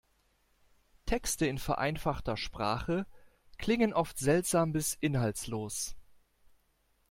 Texte in vereinfachter Sprache klingen oft seltsam bis inhaltslos.